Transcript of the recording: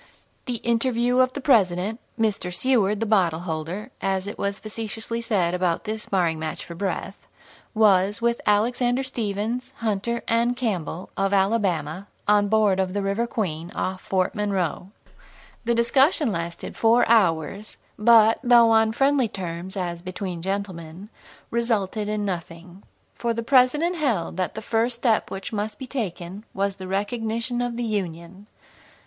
The interview of the President, Mr. Seward the "bottle holder" as it was facetiously said about this sparring match for breath was with Alexander Stephens, Hunter, and Campbell, of Alabama, on board of the River Queen, off Fort Monroe. The discussion lasted four hours, but, though on friendly terms, as "between gentlemen," resulted in nothing. For the President held that the first step which must be taken was the recognition of the Union.